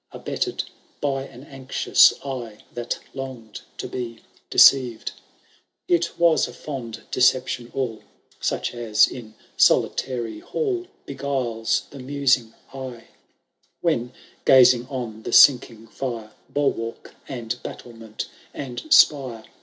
Abetted by an anxious eye That long'd to be deceived. ^ Canto III. TUK BKIDAL OW TKIEKMAIS. 69 It was a fond deception all. Such as, in solitary hall. Beguiles the musing eye, When, gazing on the sinking fire. Bulwark, and hattlement, and spire.